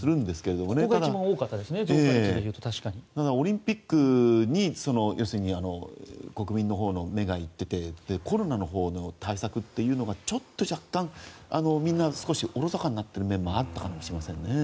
オリンピックに国民のほうの目が行っていてコロナのほうの対策というのがちょっと若干、みんなおろそかになっている面もあったかもしれないですね。